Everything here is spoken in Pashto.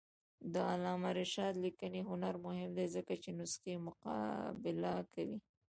د علامه رشاد لیکنی هنر مهم دی ځکه چې نسخې مقابله کوي.